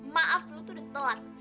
maaf lu tuh udah telat